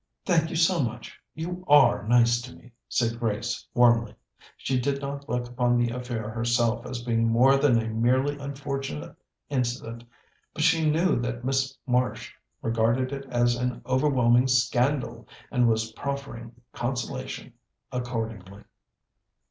"Thank you so much. You are nice to me," said Grace warmly. She did not look upon the affair herself as being more than a merely unfortunate incident, but she knew that Miss Marsh regarded it as an overwhelming scandal, and was proffering consolation accordingly.